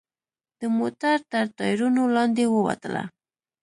د موټر تر ټایرونو لاندې ووتله.